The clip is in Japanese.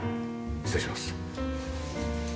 失礼します。